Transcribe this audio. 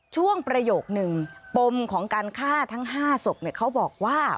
ช่วงประโยคหนึ่งปมของการฆ่าทั้ง๕ศพเนี่ยเขาบอกว่า